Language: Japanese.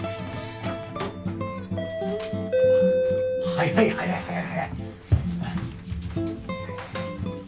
早い早い早い。